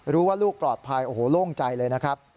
ลูกปลอดภัยโอ้โหโล่งใจเลยนะครับ